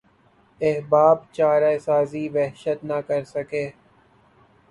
احباب چارہ سازی وحشت نہ کر سکے